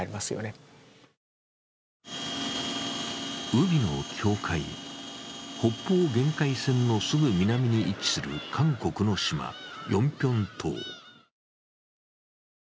海の境界、北方限界線のすぐ南に位置する韓国の島、ヨンピョン島。